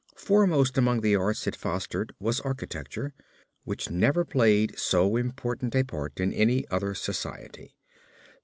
Foremost among the arts it fostered was architecture, which never played so important a part in any other society.